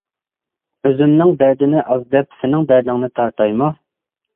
ئۆزۈمنىڭ دەردىنى ئاز دەپ، سېنىڭ دەردىڭنى تارتايمۇ.